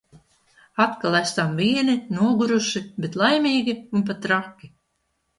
Atkal esam vieni, noguruši, bet laimīgi un pat traki!